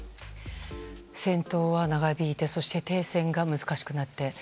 戦闘は長引いてそして停戦が難しくなって。